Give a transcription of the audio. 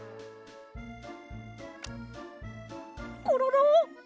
コロロ！